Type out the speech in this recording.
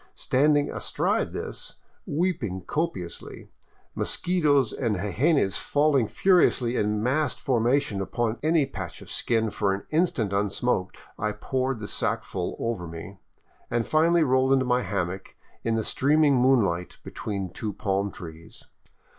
Standing astride this, weeping copiously, mosquitos and jejenes falling furiously in massed formation upon any patch of skin for an instant unsmoked, I p>oured the sackful over me, and finally rolled into my hammock in the streaming moonlight between two palm trees.